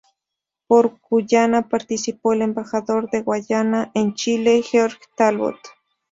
Por Guyana participó el embajador de Guyana en Chile, George Talbot.